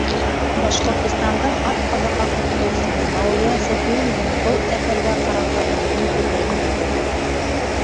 Башҡортостандың атҡаҙанған уҡытыусыһы Мәүлиә Сафиуллина был әҫәргә ҡарата үҙенең фекерен белдерҙе.